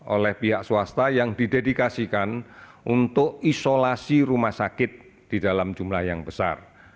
oleh pihak swasta yang didedikasikan untuk isolasi rumah sakit di dalam jumlah yang besar